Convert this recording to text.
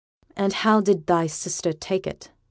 'And how did thy sister take it?'